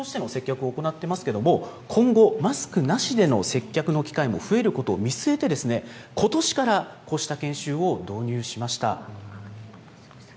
こちらのホテル、旅館では現在はマスクを着用しての接客を行っていますけれども、今後、マスクなしでの接客の機会も増えることを見据えて、ことしからこうした研修を導入しました。